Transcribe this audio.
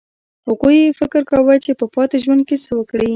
هغوی فکر کاوه چې په پاتې ژوند کې څه وکړي